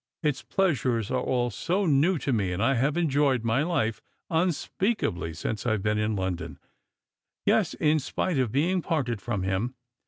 Its pleasures are all so new to me, and I have enjoyed my life unspeakably since I've been in London, yes, in spite of being parted from him.